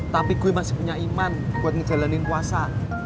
tapi gue masih punya iman buat ngejalanin puasa